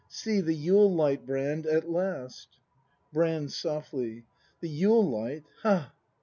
See, the Yule light, Brand, at last! Brand. [Softly.] The Yule light! Ha!